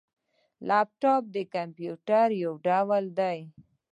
لیپټاپ د کمپيوټر یو ډول دی